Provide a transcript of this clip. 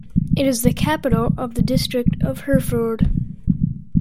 It is the capital of the district of Herford.